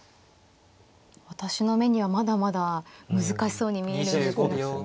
私の目にはまだまだ難しそうに見えるんですが。